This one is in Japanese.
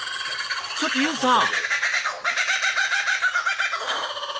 ちょっとユウさん！